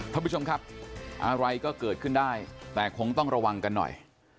ท่านผู้ชมครับอะไรก็เกิดขึ้นได้แต่คงต้องระวังกันหน่อย